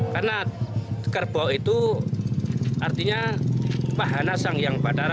karena kerbau itu artinya pahana sang yang padara